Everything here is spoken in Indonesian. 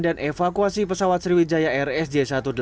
dan evakuasi pesawat sriwijaya rsj satu ratus delapan puluh dua